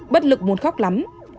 bất lực muốn khóc lắm